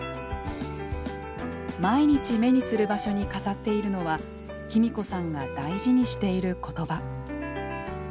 毎日、目にする場所に飾っているのはきみこさんが大事にしている言葉。